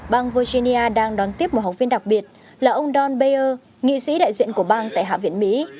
bang virginia đang đón tiếp một học viên đặc biệt là ông don beyer nghị sĩ đại diện của bang tại hạ viện mỹ